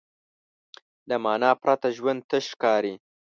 له معنی پرته ژوند تش ښکاري.